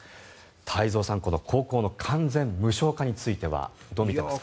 太蔵さん、高校の完全無償化についてはどう見ていますか。